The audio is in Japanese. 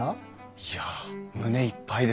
いや胸いっぱいです。